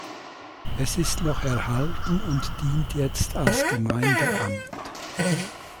Es ist noch erhalten und dient jetzt als Gemeindeamt.